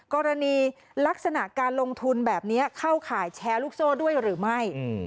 กรณีลักษณะการลงทุนแบบนี้เข้าข่ายแชร์ลูกโซ่ด้วยหรือไม่